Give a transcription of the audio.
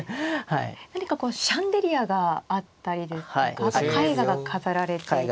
何かこうシャンデリアがあったりですとかあと絵画が飾られていたり。